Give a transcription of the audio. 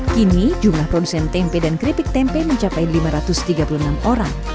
kini jumlah produsen tempe dan keripik tempe mencapai lima ratus tiga puluh enam orang